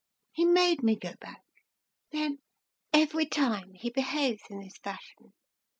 He made me go back. Then every time he behaves in this fashion.